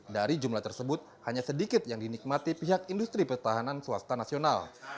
dari jumlah tersebut hanya sedikit yang dinikmati pihak industri pertahanan swasta nasional